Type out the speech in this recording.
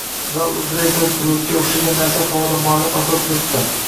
Zal uzra esa bulutga o‘xshagan narsa havoda muallaq osilib turipti...